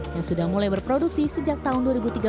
yang sudah mulai berproduksi sejak tahun dua ribu tiga belas